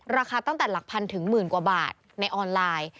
ราคาตั้งแต่หลักพันถึงหมื่นกว่าบาทในออนไลน์